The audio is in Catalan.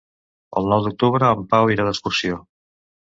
El nou d'octubre en Pau irà d'excursió.